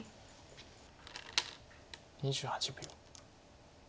２８秒。